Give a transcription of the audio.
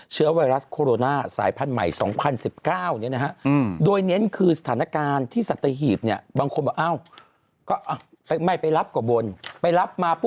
เชื้อไวรัสโคโรนาสายพันธุ์ใหม่๒๐๑๙นี้นะครับ